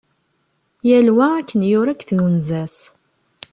Yal wa akken yura deg twenza-s.